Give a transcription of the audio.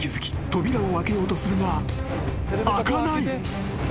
扉を開けようとするが開かない］